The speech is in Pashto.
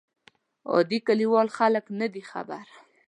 عادي کلیوال خلک نه دي خبر.